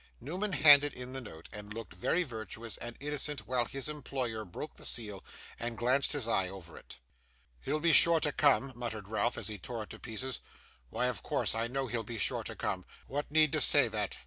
Newman handed in the note, and looked very virtuous and innocent while his employer broke the seal, and glanced his eye over it. 'He'll be sure to come,' muttered Ralph, as he tore it to pieces; 'why of course, I know he'll be sure to come. What need to say that?